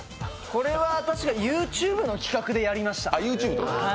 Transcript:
これはＹｏｕＴｕｂｅの企画でやりました。